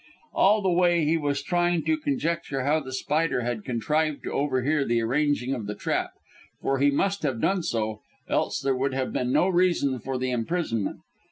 All the way he was trying to conjecture how The Spider had contrived to overhear the arranging of the trap, for he must have done so, else there would have been no reason for the imprisonment.